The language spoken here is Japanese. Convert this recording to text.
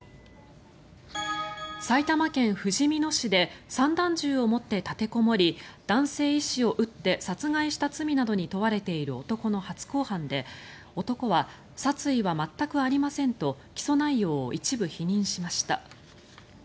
埼玉県ふじみ野市で散弾銃を持って立てこもり男性医師を撃って殺害した罪などに問われている男の初公判で男は、殺意は全くありませんと起訴内容を一部否認しました。